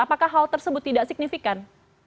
apakah hal tersebut tidak signifikan